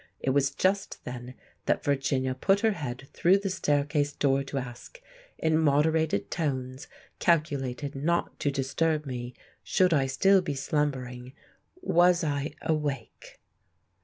It was just then that Virginia put her head through the staircase door to ask—in moderated tones calculated not to disturb me should I still be slumbering!—was I awake?